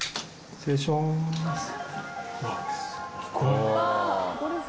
失礼します。